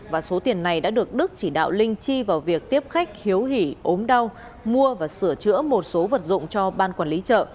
và số tiền này đã được đức chỉ đạo linh chi vào việc tiếp khách hiếu hỉ ốm đau mua và sửa chữa một số vật dụng cho ban quản lý chợ